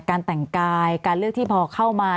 การแต่งกายการเลือกที่พอเข้ามา